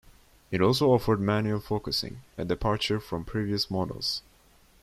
It also offered manual focusing, a departure from previous models.